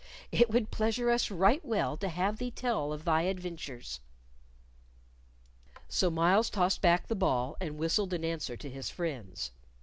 It would pleasure us right well to have thee tell of thy adventures." So Myles tossed back the ball, and whistled in answer to his friends.